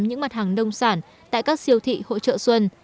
những mặt hàng nông sản tại các siêu thị hội trợ xuân